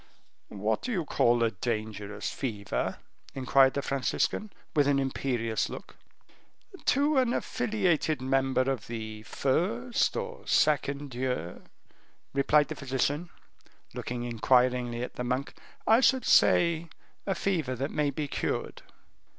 "What do you call a dangerous fever?" inquired the Franciscan, with an imperious look. "To an affiliated member of the first or second year," replied the physician, looking inquiringly at the monk, "I should say a fever that may be cured."